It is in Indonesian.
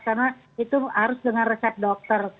karena itu harus dengan resep dokter